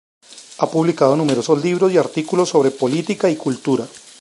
Ha publicado numerosos libros y artículos sobre política y cultura.